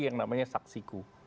yang namanya saksiku